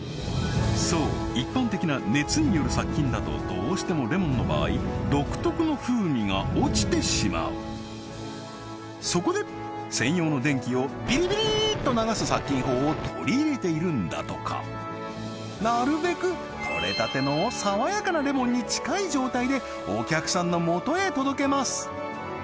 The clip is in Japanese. そう一般的な熱による殺菌だとどうしてもレモンの場合独特の風味が落ちてしまうそこで専用の電気をビリビリっと流す殺菌法を取り入れているんだとかなるべくとれたての爽やかなレモンに近い状態でお客さんのもとへ届けます